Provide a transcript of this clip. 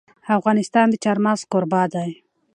افغانستان د چار مغز کوربه دی.